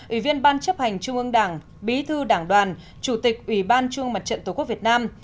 ủy viên ban chấp hành trung ương đảng bí thư đảng đoàn chủ tịch ủy ban trung mặt trận tổ quốc việt nam